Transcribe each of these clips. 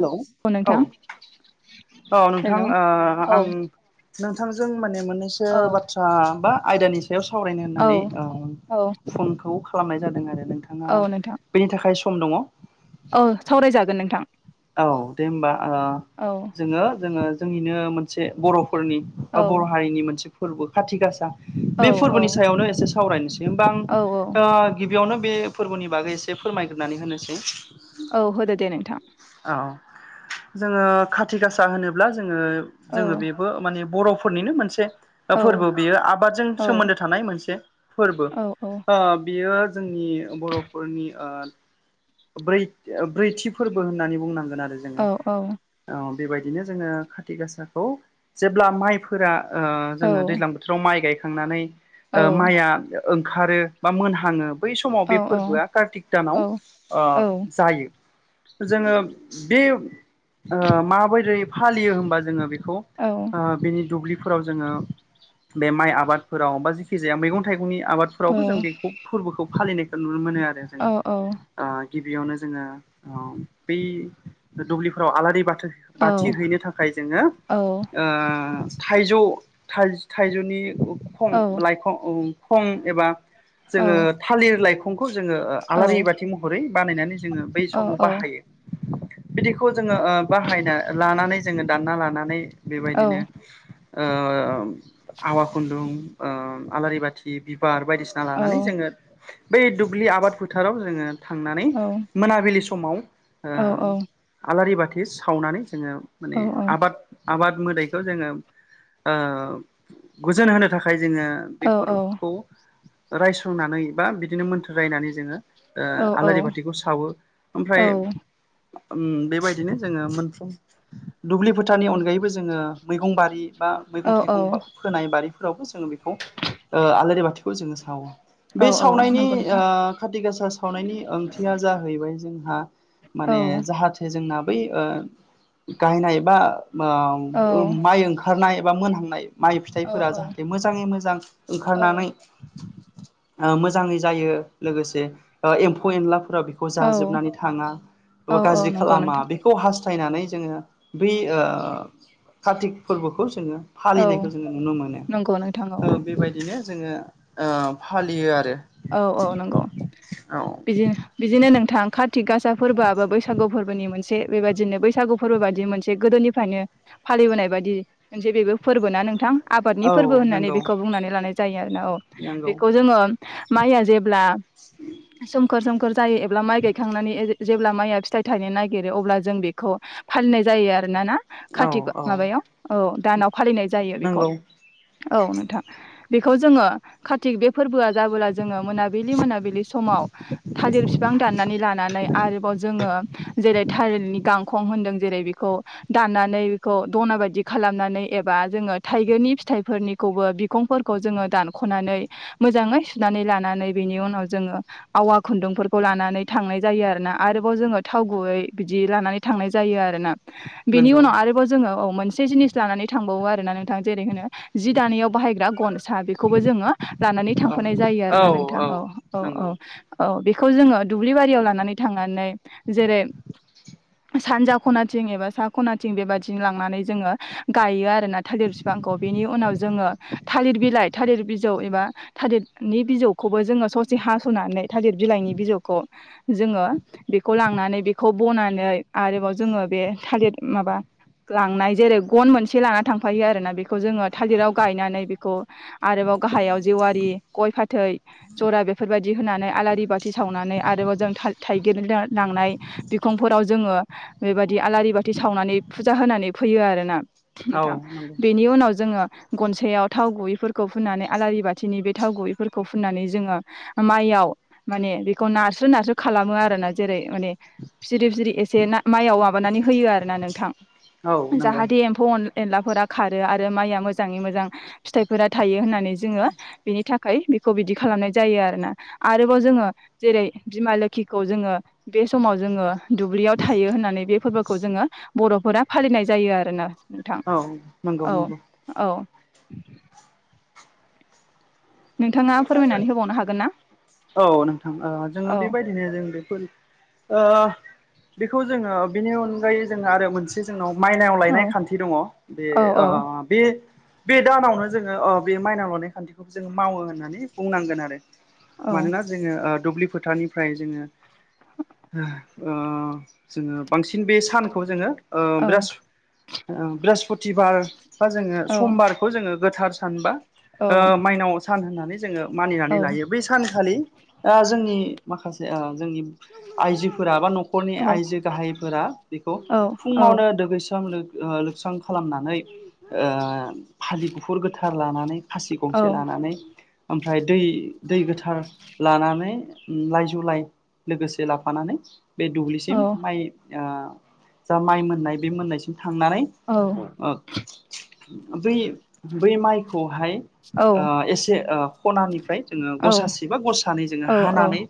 Hello औ औ नोंथां हेलौ ओ आं औ नोंथांजों माने मोननैसो औ बाथ्रा बा आयदानि सा सायाव सावरायनो होननानै औ ओ फनखौ खालामनाय जादों आरो नोंथाङा औ नोंथां बेनि थाखाय सम दङ? औ सावरायजागोन नोंथां। औ दे होमबा ओ औ जोङो जोङो जोंनिनो मोनसे बर' फोरनि बा औ बर' हारिनि मोनसे फोरबो खाथि गासा औ बे औ फोरबोनि सायावनो एसे सावरायनोसै। [unintelligible] होमबा औ आं गिबियावनो बे फोरबोनि बागै एसे फोरमायग्रोनानै होनोसै। औ होदो दे नोंथां। औ जोङो खाथि गासा होनोब्ला जोङो औ जोङो बेबो माने बर' फोरनिनो मोनसे औ फोरबो बियो आबादजों औ सोमोन्दो थानाय मोनसे फोरबो। औ औ ओ बियो जोंनि बर'फोरनि ओ बै ब्रैथि फोरबो होननानै बुंनांगोन आरो जोङो औ औ ओ। बेबायदिनो जोङो खाथि गासाखौ जेब्ला माइफोरा ओ औ जोङो दैज्लां बोथोराव माइ गायखांनानै औ ओ माइया ओंखारो बा मोनहाङो बै समाव बे फोरबोआ औ कार्तिक दानाव औ ओ औ जायो जोङो बे ओ माबोरै फालियो होमबा जोङो बेखौ ओ बेनि दुब्लि फोराव जोङो बे माइ आबादफोराव बा जिखि जाया मैगं थाइगंनि आबादफोरावबो जों बेखौ फोरबोखौ फालिनायखौ नुनो मोनो आरो जोङो। बा गिबियावनो जोङो बै दुब्लिफ्राव आलारि बाथ बाथि हैनो थाखाय जोङो ओ थाइजौ थाइजौनि खं लाइखं खं एबा जोङो थालिर लाइखंखौ जोङो आलारि बाथि [unintelligible] बै बानायनानै जोङो बै समाव बाहायो। बिदिखौ जोङो बाहायना लानानै, जोङो दानना लानानै बेबायदिनो आवा खुन्दुं, आलारि बाथि, बिबार बायदिसिना लानानै जोङो बै दुब्लि आबाद फोथाराव जोङो थांनानै मोनिलि समाव ओ आलारि बाथि सावनानै जोङो माने आबाद -आबाद मोदायखौ जोङो ओ गोजोन होनो थाखाय ।जोङो बेफोरखौ रायस्रंनानै बा बिदिनो मोन्थोर रायनानै जोङो ओ आलारि बाथिखौ सावो ओमफ्राय बेबायदिनो जोङो मोनफ्रोम दुब्लि फोथारनि अनगायैबो जोङो मैगं बारि बा औ मैगं -थाइगं फोनाय बारिफोरावबो जोङो बेखौ ओ आलारि बाथिखौ जोङो सावो। औ बे औ सावनायनि नंगौ नोंथां ओ खाथि गासा सावनायनि खानथिआ जाहैबाय जोंहा माने औ जाहाथे जोंना बै ओ गायनाय एबा औ माइ ओंखारनाय एबा मोनहांनाय माइ औ फिथाइफोरा जाहाथे मोजाङै मोजां औ ओंखारनानै मोजाङै जायो लोगोसे एम्फौ -एनलाफोराव बेखौ औ जाजोबनानै थाङा औ बा औ गाज्रि नंगौ खालामा नोंथां बेखौ हास्थायनानै जों बे कातिक फोरबोखौ जोङो औ फालिनायखौ जोङो नुनो नंगौ नोंथां औ मोनो बेबायदिनो जोङो ओ फालियो आरो। औ, औ नंगौ औ बिदिनो -बिदिनो नोंथां काति [unintelligible] फोरबोआबो बैसागु फोरबोनि मोनसे बेबायदिनो बैसागु फोरबो बायदि मोनसे गोदोनिफ्रायनो फालिबोनाय बायदि मोनसे बेबो फोरबोना नोंथां? आबादनि औ फोरबो होननानै नंगौ बेखौ बुंनानै लानाय जायो आरोना औ नंगौ बेखौ जोङो माइया जेब्ला सोमखोर- सोमखोर जायो एब्ला माइ गायखांनानै जेब्ला माइया फिथाइ थायनो नागिरो अब्ला जों बेखौ फालिनाय औ औ जायो। [unintelligible] औ दानाव फालिनाय जायो बेखौ। नंगौ औ नोंथां ।बेखौ जोङो कतिक बे फोरबोआ जाबोला जोङो मोनाबिलि- मोनाबिलि समाव थालिर बिफां दाननानै लानानै आरोबाव जोङो जेरै [unintelligible] [unintelligible] जेरै बेखौ दाननानै बेखौ दना बायदि खालामनानै एबा जोङो थाइगिरनि [unintelligible] फिथाइनिखौबो बिखंफोरखौ जोङो दानख'नानै मोजाङै सुनानै लानानै बेनि उनाव जोङो, आवा खुन्दुंफोरखौ लानानै थांनाय जायो आरोना, आरोबाव जोङो थाव गुबयै बिदि लानानै थांनाय जायो आरोना। बेनि नंगौ उनाव आरोबाव जोङो, औ मोनसे जिनिस लानानै थांबावो आरोना नोंथां जेरै होनो जि दानायाव बाहायग्रा गनसा बेखौबो जोङो लानानै औ [unintelligible] [unintelligible] जायो आरोना नोंथां ।औ, औ, औ, नंगौ औ। [unintelligible] जोङो दुब्लि बारियाव लानानै थांनानै जेरै सानजा -खनाथिं एबा सा- खनाथिं बेबादि लांनानै जोङो गायो आरोना थालिर [unintelligible] बिफांखौ बेनि उनाव जोङो थालिर बिलाइ, थालिर बिजौ एबा थालिरनि बिजौखौबो जोङो ससे हास'नानै थालिर बिलाइनि बिजौखौ जोङो बेखौ लांनानै बेखौ बनानै आरोबाव जोङो बे थालिर माबा लांनाय जेरै गन मोनसे लाना थांफायो आरोना। बेखौ जोङो थालिराव गायनानै बेखौ [unintelligible] गाहायाव [unintelligible] बे गय- फाथै जरा बेफोरबायदि होनानै आलारि बाथि सावनानै आरोबाव जों था-थाइगिर लांनाय बिखंफोराव जोङो बेबायदि आलारि बाथि सावनानै फुजा होनानै फैयो आरोना। औ नोंथां नंगौ बेनि उनाव जोङो गनसायाव थाव गुबैफोरखौ फुननानै आलारि बाथि खाथिनि बे थावगुबैखौ बेफोरखौ फुननानै जोङो, माइयाव माने बेखौ नारस्रो नारस्रो खालामो आरो। जेरै माने जिरि जिरि एसे माइआव माबानानै होयो आर ना नोंथां औ नंगौ जाहाथे एम्फौ अन एनलाफोरा खारो आरो माइया मोजाङै मोजां फिथाइफोरा थायो होननानै जोङो बिनि थाखाय बेखौ बिदि खालामनाय जायो आरोना आरोबाव जोङो जेरै बिमा लोखिखौ जों जोङो बे समाव जोङो दुब्लियाव थायो होननानै बे फोरबोखौ जोङो बर'फोरा फालिनाय जायो आरोोना नोंथां औ नंगौ औ नंगौ औ थाङा फोरमायनानै होबावनो हागोनना औ नोंथां ओ जोङो बेबायदिनो जों बेफोर ओ बेखौ जोङो बेनि अनगायै जोंहा आरो मोनसे जोंनाव माइनाव लायनाय औ खान्थि दङ बे औ ओ बे बे दानावनो जोङो अ बे माइनाव लुनाय खान्थिखौबो जोङो मावो होननानै बुंनांगोन आरो औ मानोना जोङो ओ दुब्लि फोथारनिफ्राय जोङो हो ओ जोङो बांसिन बे सानखौ जोङो ओ औ बिरास ओ बिरास पटिबार बा जोङो औ समबारखौ जोङो गोथार सान बा ओ माइनाव सान होननानै जोङो औ मानिनानै लायो बै सानखालि आ जोंनि माखासे आ जोंनि आइजोफोरा बा न'खरनि औ आइजो गाहायफोरा बेखौ औ फुङावनो दगैस्रां लोब ओ लोबस्रां खालामनानै ओ फालि गुफुर गोथार लानानै खासि गं लानानै ओमफ्राय दै दै गोथार लानानै लाइजौ लाइ लोगोसे लाफानानै बे दुब्लिसिम माइ आ जा माइ मोननाय बे मोननायसिम थांनानै औ ओ बै बै माइखौहाय आ एसे आ [inaudible] निफ्राय जोङो औ गसासेबा गसानै जोङो औ हानानै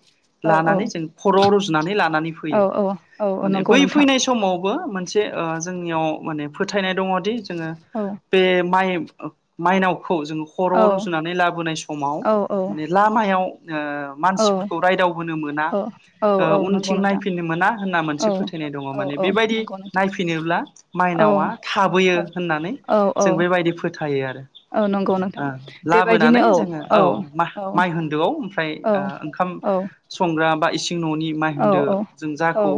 औ लानानै जों खर'आव रुजुनानै ला नानै औ फैयो औ औ औ माने नंगौ बै नोंथां फैनाय समावबो मोनसे ओ जोंनियाव माने ‌ थायनाय दङदि जोङो औ बे माइ ओ माइनाव खौ जोङो खर' औ रुजुनानै लाबोनाय समाव औ माने लामायाव ओ औ मानसिफोरखौ रायदावबोनो मोना औ औ ओ औ नंगौ उनथिं नोंथां नायफिननो मोना होनना मोनसे औ फोथायनाय दङ औ माने औ बेबायदि नंगौ नोंथां नायफिनोब्ला औ माइनावा थाबोयो औ होननानै औ औ जों बेबाय दि फोथायो आरो औ नंगौ नोंथां ओ बेबायदिनो लाबोनानै जोङो औ माह औ माइ होनदोआव ओमफ्राय औ आ ओंखाम औ संग्रा बा इसिं न'नि माइ औ होनदो [inaudible] जों औ जाखौ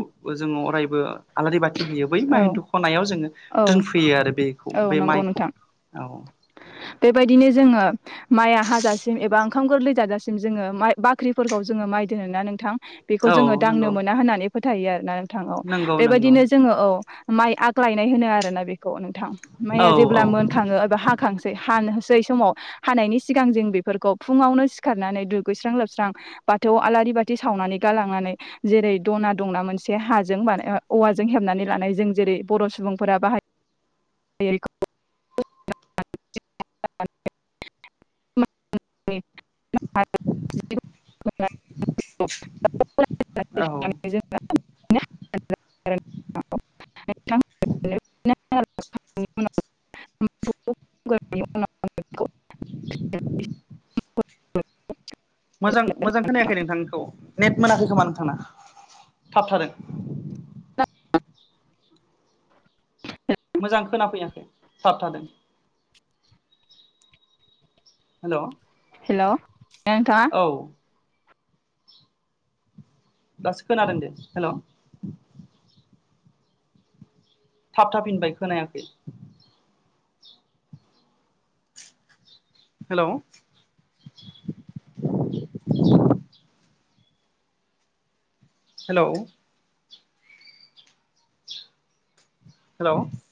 जोङो अराय बो आलारि बाथि होयो बै माय औ होन्दो खनायाव जोङो औ दोनफैयो आरो बे औ नंगौ माइखौ नोंथां औ बेबायदिनो जोङो [unintelligible] बेखौ औ जोङो दांनो नंगौ मोना होननानै फोथायो आरोना नोंथां औ नंगौ नंगौ बेबायदिनो जोङो औ माइ आग्लायनाय होनो आरोना बेखौ नोंथां औ माइया जेब्ला औ मोनखाङो एबा हाखांसै हानो होस सै समाव हानायनि सिगां जों बेफोरखौ फुङावनो सिखारनानै दुगैस्रां लोबस्रां बाथौ आला रि बाथि सावनानै गालांनानै जेरै दना दंना मोनसे हाजों बानाय ओ औवाजों हेबनानै लानाय जों जेरै बर' सुबुंफोरा बाहाय [unintelligible] [inaudible] [unintelligible] [unintelligible] औ [unintelligible] [unintelligible] [unintelligible] मोजां मोजां खोनायाखै नोंथां औ नेट मोनाखै खोमा नोंथांना थाबथादों मोजां खोनाफैयाखै थाबथादों हेल' हेल' नोंथाङा दासो खोनादोंदे हेल' थाबथाफिनबाय खोनायाखै हेलौ हेलौ हेल'